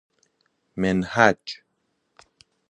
منﮩج